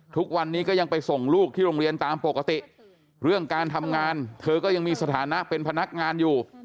ทุกวันนี้ก็ยังไปส่งลูกที่โรงเรียนตามปกติเรื่องการทำงานเธอก็ยังมีสถานะเป็นพนักงานอยู่